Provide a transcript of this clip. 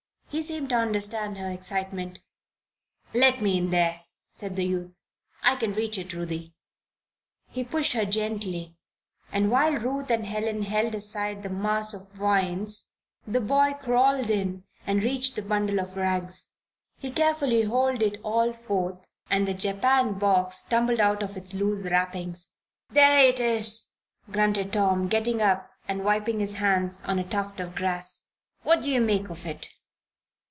He seemed to understand her excitement. "Let me in there," said the youth. "I can reach it, Ruthie." He pushed her gently, and while Ruth and Helen held aside the mass of vines the boy crawled in and reached the bundle of rags. He carefully hauled it all forth and the japanned box tumbled out of its loose wrappings. "There it is!" grunted Tom, getting up and wiping his hands on a tuft of grass. "What do you make of it?"